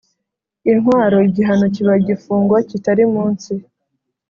Intwaro igihano kiba igifungo kitari munsi